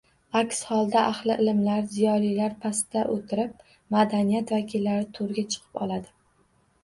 Aks holda ahli ilmlar, ziyolilar pastda o‘tirib, “madaniyat” vakillari to‘rga chiqib oladi